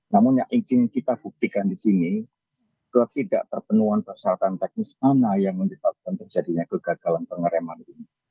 namun yang ingin kita buktikan di sini ketidakperluan persyaratan teknis mana yang menyebabkan terjadinya kegagalan pengereman ini